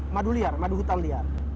madu liar madu hutan liar